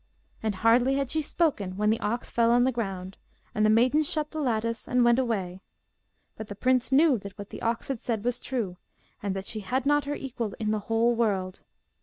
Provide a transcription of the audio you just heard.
And hardly had she spoken when the ox fell on the ground, and the maiden shut the lattice and went away. But the prince knew that what the ox had said was true, and that she had not her equal in the whole world.